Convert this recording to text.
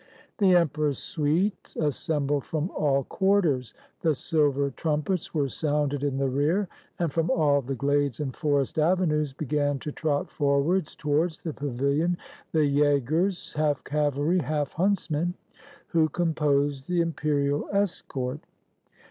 The emperor's suite assembled from all quarters ; the silver trumpets were sounded in the rear; and from all the glades and forest avenues began to trot forwards towards the pavilion the yagers — half cavalry, half huntsmen — who composed the imperial escort.